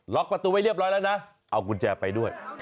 ็อกประตูไว้เรียบร้อยแล้วนะเอากุญแจไปด้วย